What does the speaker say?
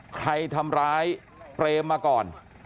ใครทำร้ายเปรมมาก่อน